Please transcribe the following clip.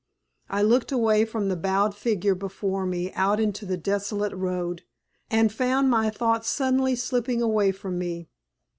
I looked away from the bowed figure before me out into the desolate road, and found my thoughts suddenly slipping away from me.